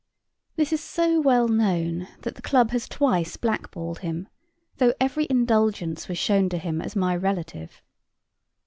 This is so well known, that the club has twice blackballed him, though every indulgence was shown to him as my relative.